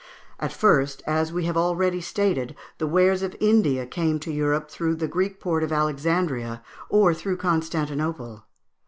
At first, as we have already stated, the wares of India came to Europe through the Greek port of Alexandria, or through Constantinople.